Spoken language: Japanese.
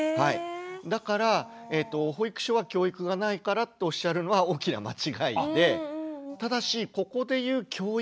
だから保育所は教育がないからっておっしゃるのは大きな間違いで。